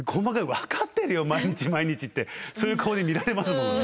「分かってるよ毎日毎日」ってそういう顔で見られますものね。